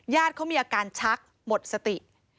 เขามีอาการชักหมดสติ